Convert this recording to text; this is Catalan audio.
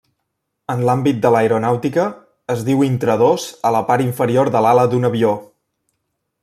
En l'àmbit de l'aeronàutica, es diu intradós a la part inferior de l'ala d'un avió.